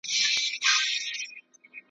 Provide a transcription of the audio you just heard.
دننه زړۀ کښې مې طوفان نۀ ګوري